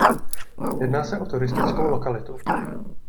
Jedná se o turistickou lokalitu.